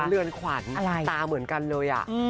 เรือนขวัญตาเหมือนกันเลย